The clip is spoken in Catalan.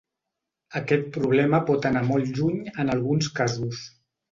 Aquest problema pot anar molt lluny en alguns casos.